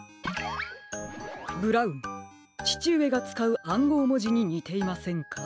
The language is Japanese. ブラウンちちうえがつかうあんごうもじににていませんか？